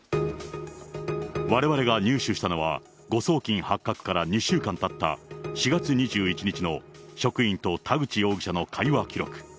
われわれが入手したのは、誤送金発覚から２週間たった、４月２１日の職員と田口容疑者の会話記録。